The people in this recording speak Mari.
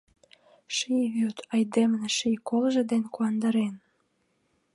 Ший вӱд айдемым ший колжо ден куандарен.